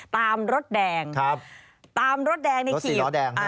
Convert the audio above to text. ตามรถแดงตามรถแดงในขีบรถสีล้อแดง